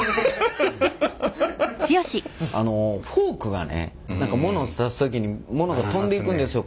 あのフォークがね何かもの刺す時にものが飛んでいくんですよ。